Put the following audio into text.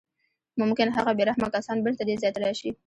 ممکن هغه بې رحمه کسان بېرته دې ځای ته راشي